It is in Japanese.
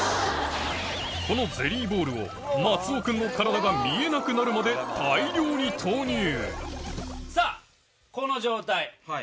このゼリーボールを松尾君の体が見えなくなるまでさぁこの状態。